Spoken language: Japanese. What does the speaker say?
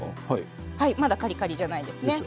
まだカリカリじゃないですね。